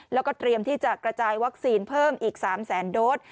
แล้วก็เตรียมที่จะกระจายวัคซีนเพิ่มอีก๓แสนโดส